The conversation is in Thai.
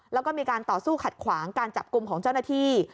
แล้วก็มีการต่อสู้ขัดขวางการจับกลุ่มของเจ้าหน้าที่